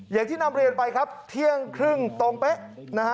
อย่างที่นำเรียนไปครับเที่ยงครึ่งตรงเป๊ะนะฮะ